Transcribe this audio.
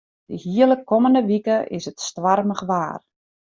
De hiele kommende wike is it stoarmich waar.